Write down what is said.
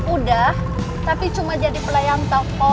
udah tapi cuma jadi pelayang toko